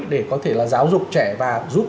để có thể là giáo dục trẻ và giúp